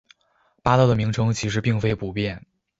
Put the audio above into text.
八道的名称其实并非不变。